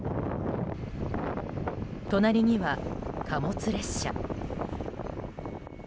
隣には貨物列車。